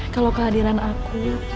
kalau kehadiran aku